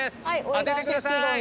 当ててください！